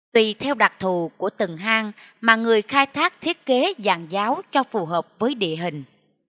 tùy theo đặc thù của từng hang mà người khai thác thiết kế giàn giáo cho phù hợp với địa hình